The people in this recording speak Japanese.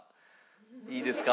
いいですか？